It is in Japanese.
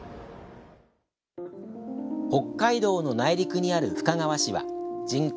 北海道の内陸にある深川市は人口